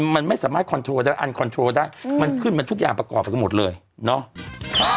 มันไม่สามารถคอนโทรได้อันคอนโทรได้มันขึ้นมันทุกอย่างประกอบไปกันหมดเลยเนาะ